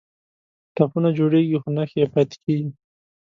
ټپونه جوړیږي خو نښې یې پاتې کیږي.